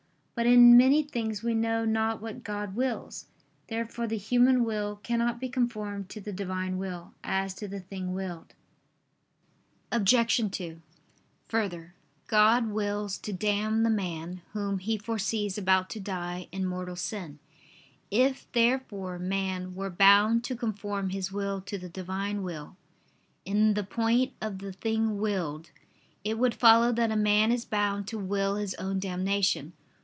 But in many things we know not what God wills. Therefore the human will cannot be conformed to the Divine will as to the thing willed. Obj. 2: Further, God wills to damn the man whom He foresees about to die in mortal sin. If therefore man were bound to conform his will to the Divine will, in the point of the thing willed, it would follow that a man is bound to will his own damnation.